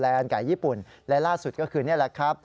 อันไก่ญี่ปุ่นและล่าสุดก็คือนี่แหละครับ